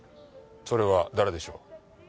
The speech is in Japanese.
それは誰でしょう？